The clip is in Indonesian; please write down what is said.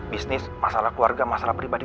bisnis masalah keluarga masalah pribadi